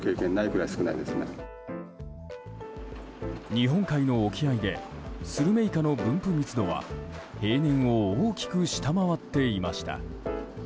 日本海の沖合でスルメイカの分布密度は平年を大きく下回っていました。